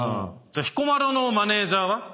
彦摩呂のマネジャーは？